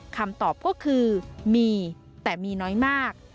คำตอบก็คือมีแต่มีน้อยมาก